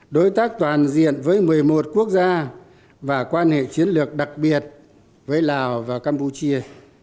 đối tác toàn diện với một mươi một quốc gia và quan hệ chiến lược đặc biệt với lào và campuchia